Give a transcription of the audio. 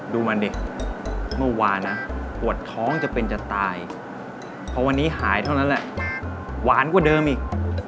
ดูมาเด็กเมื่อวานนะปวดท้องจะเป็นจะตายพอวันนี้หายเท่านั้นแหละหวานกว่าเดิมอีก